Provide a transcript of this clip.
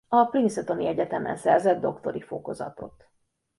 A Princetoni Egyetemen szerzett doktori fokozatot.